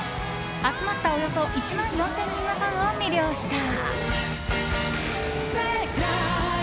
集まったおよそ１万４０００人のファンを魅了した。